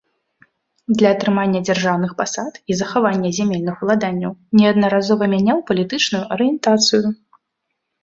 Для атрымання дзяржаўных пасад і захавання зямельных уладанняў неаднаразова мяняў палітычную арыентацыю.